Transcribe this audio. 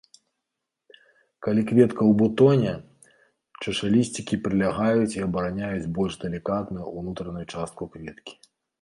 Калі кветка ў бутоне, чашалісцікі прылягаюць і абараняюць больш далікатную ўнутраную частку кветкі.